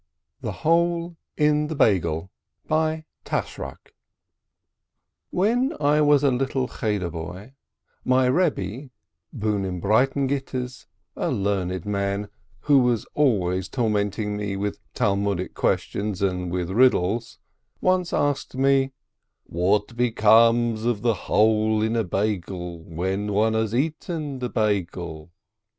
THE HOLE IN A BEIGEL When I was a little €heder boy, my Rebbe, Bunem Breine Gite's, a learned man, who was always torment ing me with Talmudical questions and with riddles, once asked me, "What becomes of the hole in a Beigel, when one has eaten the Beigel ?"